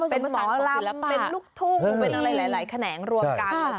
เป็นหมอลำเป็นลูกทุ่งเป็นอะไรหลายแขนงรวมกัน